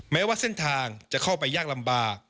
แม้ว่าเส้นทางจะเข้าไปยากลำบาก